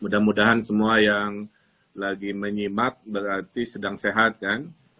mudah mudahan semua yang lagi menyimak berarti sedang sehat kan